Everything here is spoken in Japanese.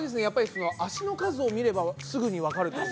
やっぱり脚の数を見ればすぐにわかる。